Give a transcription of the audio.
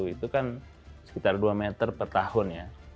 itu kan sekitar dua meter per tahun ya